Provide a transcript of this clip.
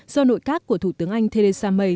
do nội các của thủ tướng anh theresa may